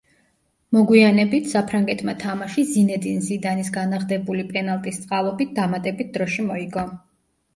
მოგვიანებით, საფრანგეთმა თამაში ზინედინ ზიდანის განაღდებული პენალტის წყალობით დამატებით დროში მოიგო.